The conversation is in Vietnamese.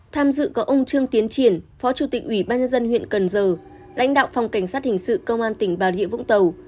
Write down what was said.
tham dự có ông trương tiến triển phó chủ tịch ubnd huyện cần giờ lãnh đạo phòng cảnh sát hình sự công an tp bà rịa vũng tàu